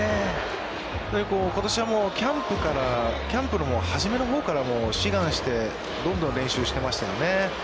ことしはキャンプから、キャンプの初めのほうから志願して、どんどん練習していましたよね。